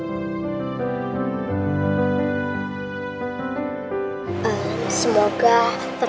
semoga perasaan kamu kalau misalnya bunda kamu masih hidup itu bener